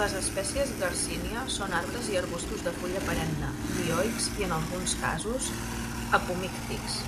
Les espècies "Garcinia" són arbres i arbustos de fulla perenne, dioics i en alguns casos, apomíctics.